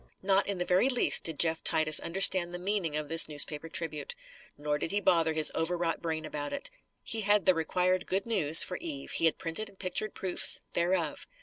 Not in the very least did Jeff Titus understand the meaning of this newspaper tribute. Nor did he bother his overwrought brain about it. He had the required "good news" for Eve. He had printed and pictured proofs thereof.